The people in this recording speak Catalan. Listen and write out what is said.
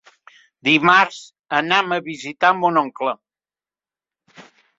Dimarts anam a visitar mon oncle.